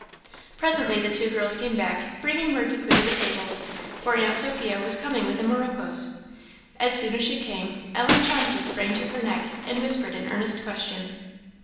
Presently the two girls came back, bring word to clear the table, for Aunt Sophia was coming with the moroccoes. As soon as she came, Ellen Chauncey sprang to her neck and whispered an earnest question.